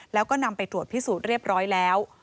แล้วก็นำไปตรวจพิสูจน์เรียบร้อยแล้ว